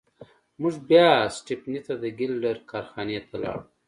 موږ بیا سټپني ته د ګیلډر کارخانې ته لاړو.